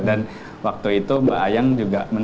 dan waktu itu mbak ayang juga